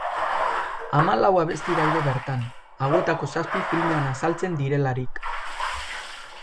Hamalau abesti daude bertan, hauetako zazpi filmean azaltzen direlarik.